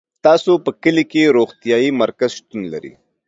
تاسو په کلي کي روغتيايي مرکز شتون لری